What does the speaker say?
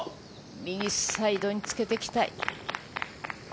右サイドにつけていきたい。